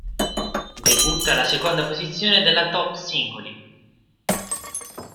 Debutta alla seconda posizione della Top Singoli.